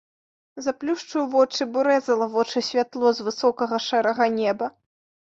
Заплюшчыў вочы, бо рэзала вочы святло з высокага шэрага неба.